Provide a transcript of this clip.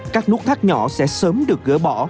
các nút thác nhỏ sẽ sớm được gỡ bỏ